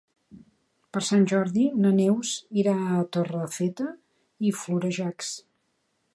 Per Sant Jordi na Neus irà a Torrefeta i Florejacs.